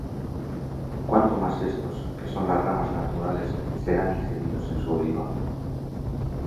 ¿cuánto más éstos, que son las ramas naturales, serán ingeridos en su oliva?